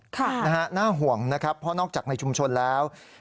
ค่ะนะฮะน่าห่วงนะครับเพราะนอกจากในชุมชนแล้ว